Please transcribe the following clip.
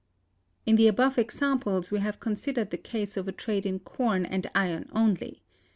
In the above examples we have considered the case of a trade in corn and iron only.